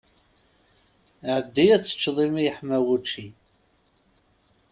Ɛeddi ad teččeḍ imi yeḥma wučči!